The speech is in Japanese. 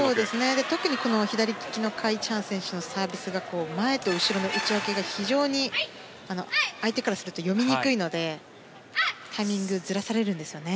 特に、左利きのカ・イチハン選手のサービスが前と後ろの打ち分けが非常に相手からすると読みにくいのでタイミングをずらされるんですよね。